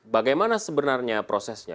bagaimana sebenarnya prosesnya